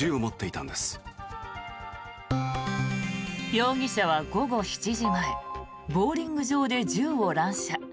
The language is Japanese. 容疑者は午後７時前ボウリング場で銃を乱射。